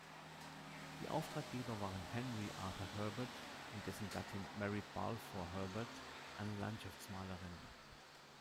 Die Auftraggeber waren Henry Arthur Herbert und dessen Gattin Mary Balfour Herbert, eine Landschaftsmalerin.